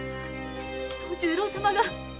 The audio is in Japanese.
惣十郎様が。